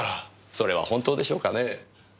それはホントでしょうかねえ。